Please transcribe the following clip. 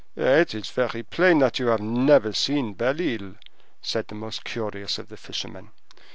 "It is very plain that you have never seen Belle Isle," said the most curious of the fishermen.